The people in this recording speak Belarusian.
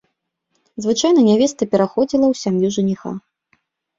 Звычайна нявеста пераходзіла ў сям'ю жаніха.